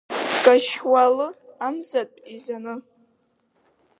Гашьуалы амзаатә изааны.